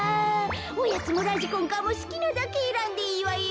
「おやつもラジコンカーもすきなだけえらんでいいわよ」。